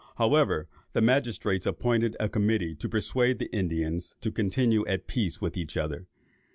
However, the magistrates appointed a committee to persuade the Indians to continue at peace with each other.